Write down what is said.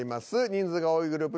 「人数が多いグループ」